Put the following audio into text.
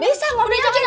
bisa mami aja yang telepon